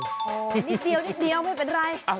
นิดเดียวไม่เป็นไร